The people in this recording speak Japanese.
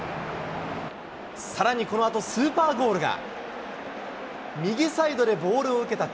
さらにこのあとスーパーゴールが。